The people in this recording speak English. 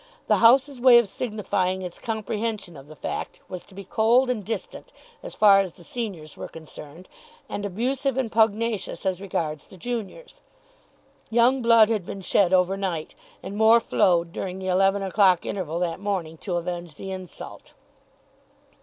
The house's way of signifying its comprehension of the fact was to be cold and distant as far as the seniors were concerned, and abusive and pugnacious as regards the juniors. Young blood had been shed overnight, and more flowed during the eleven o'clock interval that morning to avenge the insult.